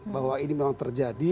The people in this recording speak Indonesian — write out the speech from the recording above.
bahwa ini memang terjadi